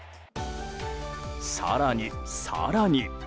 更に更に、